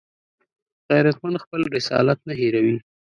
غیرتمند خپل رسالت نه هېروي